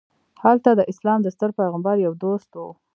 هلته د اسلام د ستر پیغمبر یو دوست و.